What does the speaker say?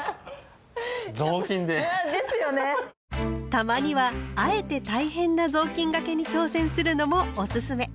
たまにはあえて大変な雑巾がけに挑戦するのもおすすめ。